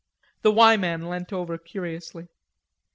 The "Y" man leant over curiously.